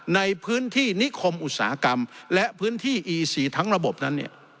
ในพื้นที่นิคมอุตสาหกรรมและพื้นที่อีซีทั้งระบบนั้น